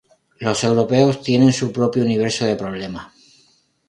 Los europeos tienen su propio universo de problemas.